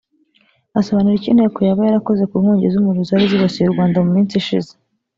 Asobanura icyo Inteko yaba yarakoze ku nkongi z’umuriro zari zibasiye u Rwanda mu minsi ishize